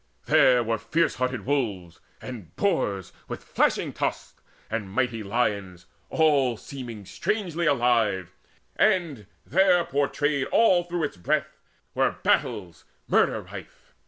There were fierce hearted wolves, And boars with flashing tusks, and mighty lions All seeming strangely alive; and, there portrayed Through all its breadth, were battles murder rife.